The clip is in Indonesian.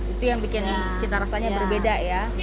itu yang bikin cita rasanya berbeda ya